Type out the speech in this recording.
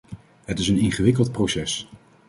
Het is een ingewikkeld proces.